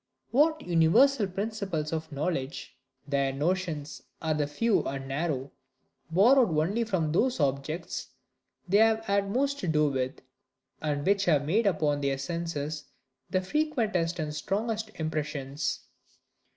what universal principles of knowledge? Their notions are few and narrow, borrowed only from those objects they have had most to do with, and which have made upon their senses the frequentest and strongest impressions.